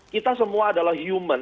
kita semua adalah human